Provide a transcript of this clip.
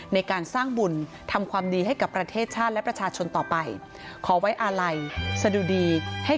ในการสร้างบุญทำความดีให้กับประเทศชาติ